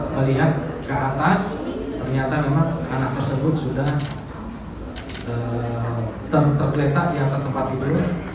melihat ke atas ternyata memang anak tersebut sudah tergeletak di atas tempat tidur